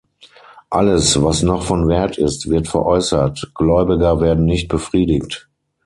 Alles, was noch von Wert ist, wird veräußert, Gläubiger werden nicht befriedigt.